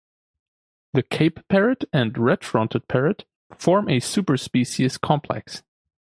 The Cape parrot and red-fronted parrot form a superspecies complex.